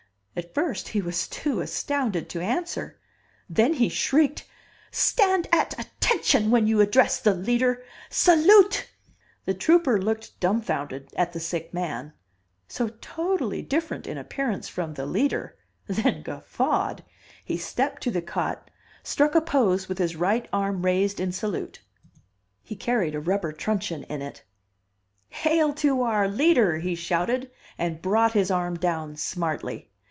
At first he was too astounded to answer, then he shrieked, "Stand at attention when you address the Leader! Salute!" The trooper looked dumbfounded at the sick man so totally different in appearance from the Leader, then guffawed. He stepped to the cot, struck a pose with his right arm raised in salute. He carried a rubber truncheon in it. "Hail to our Leader!" he shouted, and brought his arm down smartly.